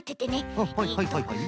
うんはいはいはいはい。